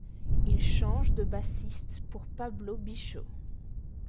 Ils changent de bassiste pour Pablo Bicho.